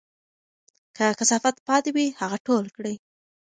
که کثافات پاتې وي، هغه ټول کړئ.